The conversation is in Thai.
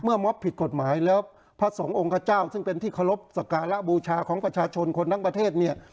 มอบผิดกฎหมายแล้วพระสงฆ์ขเจ้าซึ่งเป็นที่เคารพสักการะบูชาของประชาชนคนทั้งประเทศเนี่ย